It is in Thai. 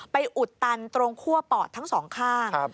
อุดตันตรงคั่วปอดทั้งสองข้าง